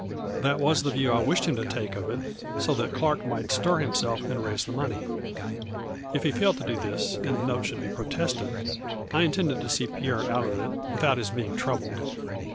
That was the view I wished him to take of it, so that Clark might stir himself and raise the money. If he failed to do this, and the note should be protested, I intended to see Pierre out of it, without his being troubled.